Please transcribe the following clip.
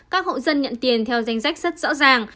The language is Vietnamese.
các hộ dân nhận tiền theo danh sách rất rõ ràng